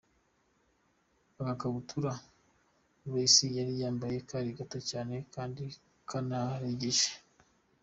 Agakabutura Ray C yari yambaye kari gato cyane kandi kanaregeje.